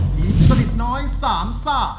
ดีตริดน้อยสามซ่า